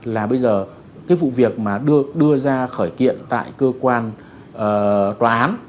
là bây giờ cái vụ việc mà được đưa ra khởi kiện tại cơ quan tòa án